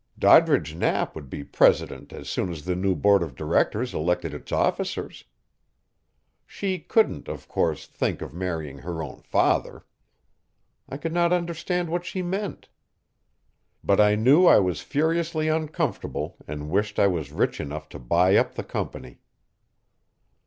Doddridge Knapp would be president as soon as the new board of directors elected its officers. She couldn't, of course, think of marrying her own father. I could not understand what she meant, but I knew I was furiously uncomfortable and wished I was rich enough to buy up the company.